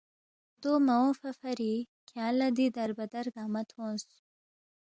دو مہ اونگفا فری کھیانگ لہ دی دربدر گنگمہ تھونس